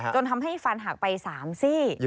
จนทำให้ฟันหักไป๓ซี่